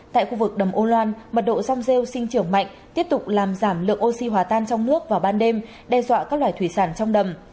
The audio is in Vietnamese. tại khu vực đầm âu loan mật độ rong rêu sinh trưởng mạnh tiếp tục làm giảm lượng oxy hòa tan trong nước vào ban đêm đe dọa các loài thủy sản trong đầm